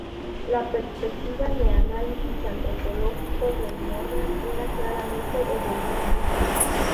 La perspectiva de análisis antropológico de Morgan era claramente evolucionista.